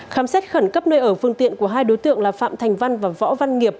khám xét khẩn cấp nơi ở phương tiện của hai đối tượng là phạm thành văn và võ văn nghiệp